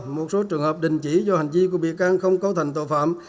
một số trường hợp đình chỉ do hành vi của bị can không cấu thành tội phạm